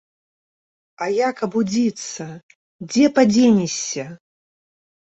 А як абудзіцца, дзе падзенешся?